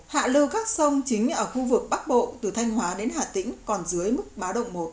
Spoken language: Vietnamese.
hạ lưu các sông chính ở khu vực bắc bộ từ thanh hóa đến hà tĩnh còn dưới mức báo động một